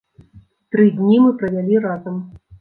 Тры дні мы правялі разам.